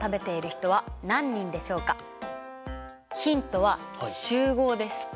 ヒントは「集合」です。